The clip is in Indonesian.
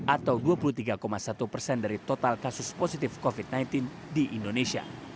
atau dua puluh tiga satu persen dari total kasus positif covid sembilan belas di indonesia